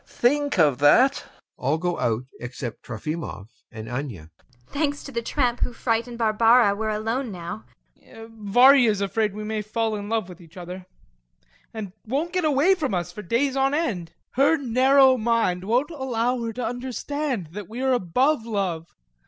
Think of that!... [All go out except TROFIMOV and ANYA.] ANYA. Thanks to the tramp who frightened Barbara, we're alone now. TROFIMOV. Varya's afraid we may fall in love with each other and won't get away from us for days on end. Her narrow mind won't allow her to understand that we are above love.